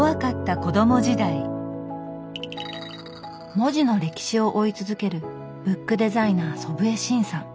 文字の歴史を追い続けるブックデザイナー祖父江慎さん。